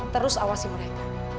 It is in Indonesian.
terus awasi mereka